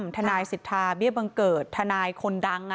ทนายสิทธาเบี้ยบังเกิดทนายคนดัง